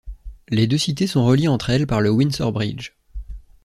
Les deux cités sont reliées entre elles par le Windsor Bridge.